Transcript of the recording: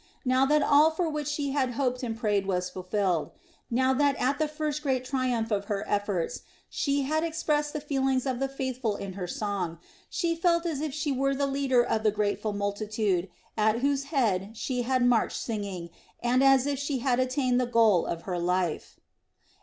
Now that all for which she had hoped and prayed was fulfilled; now that at the first great triumph of her efforts she had expressed the feelings of the faithful in her song, she felt as if she were the leader of the grateful multitude at whose head she had marched singing and as if she had attained the goal of her life.